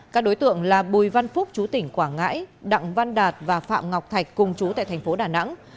các đối tượng là bùi văn phúc chú tỉnh quảng ngãi đặng văn đạt và phạm ngọc thạch cùng chú tại thành phố đà nẵng